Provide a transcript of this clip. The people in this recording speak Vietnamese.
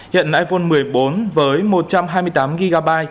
hiện iphone một mươi bốn với một trăm hai mươi tám gb